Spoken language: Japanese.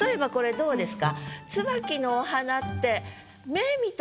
どうですか？